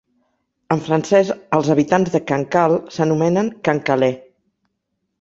En francès, els habitants de Cancale s'anomenen "Cancalais".